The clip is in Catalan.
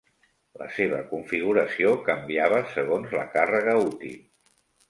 La seva configuració canviava segons la càrrega útil.